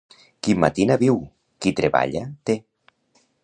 Qui matina viu, qui treballa té.